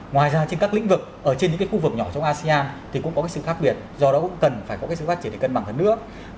ngoài ra trên các lĩnh vực ở trên những khu vực nhỏ trong asean thì cũng có cái sự khác biệt do đó cũng cần phải có cái sự phát triển để cân bằng hơn nữa